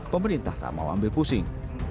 pemerintah tak mau ambil pusing